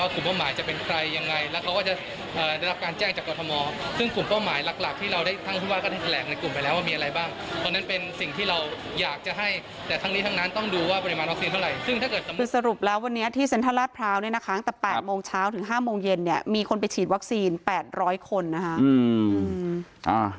คือสรุปแล้ววันนี้ที่เซ็นทรัสพราวเนี่ยนะคะตั้งแต่๘โมงเช้าถึง๕โมงเย็นเนี่ยมีคนไปฉีดวัคซีน๘๐๐คนนะคะ